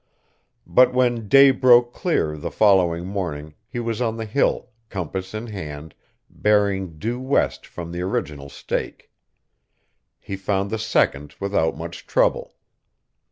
But when day broke clear the following morning he was on the hill, compass in hand, bearing due west from the original stake. He found the second without much trouble.